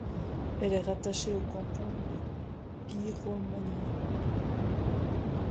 Elle est rattachée au canton de Giromagny.